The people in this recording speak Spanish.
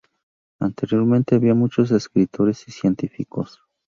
Anteriormente había muchos escritores y científicos.